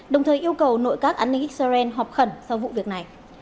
đồng thời yêu cầu nội các an ninh israel họp khẩn sau vụ việc này